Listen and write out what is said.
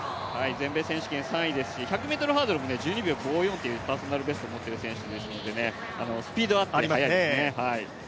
全米選手権３位ですし、１００ｍハードルも１２秒５４というパーソナルベスト持ってる選手ですのでスピードはあって、速いですね。